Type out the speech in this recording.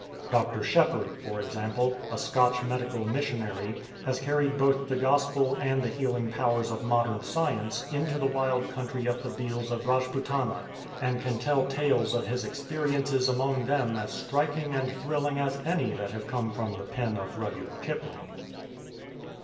Dr. Shepherd, for example, a Scotch medical missionary, has carried both the Gospel and the healing powers of modern science into the wild country of the Bhils of Rajputana, and can tell tales of his experiences among them as striking and thrilling as any that have come from the pen of Rudyard Kipling.